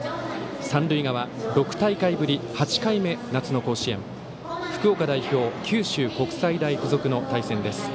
三塁側、６大会ぶり８回目の夏の甲子園福岡代表、九州国際大付属の対戦です。